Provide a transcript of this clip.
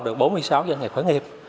được bốn mươi sáu doanh nghiệp khởi nghiệp